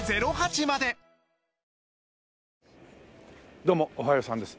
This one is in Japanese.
どうもおはようさんです。